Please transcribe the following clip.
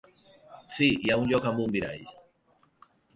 Sí, hi ha un lloc amb un mirall.